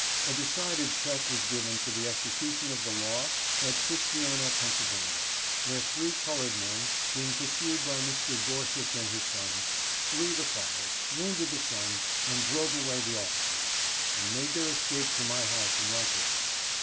A decided check was given to the execution of the law at Christiana, Penn., where three colored men, being pur sued by Mr. Gorsuch and his son, slew the father, wounded the son, and drove away the officers, and made their escape to my house in Rochester.